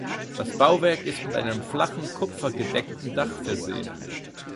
Das Bauwerk ist mit einem flachen kupfergedeckten Dach versehen.